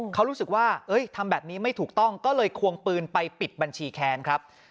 เขารู้สึกว่าทำแบบนี้ไม่ถูกต้องก็เลยควงปืนไปปิดบัญชีแค้นครับ